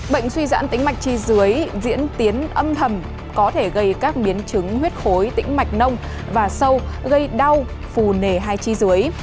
bệnh suy giãn tính mạch chi dưới diễn tiến âm thầm có thể gây các biến chứng huyết khối tĩnh mạch nông và sâu gây đau phù nề hai chi dưới